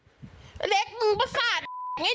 กูก็ไหมก็ดูมึงไม่ต้องกลัวหรอก